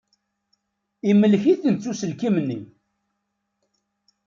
Imlek-ikent uselkim-nni.